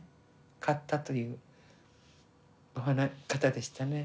買ったという方でしたね。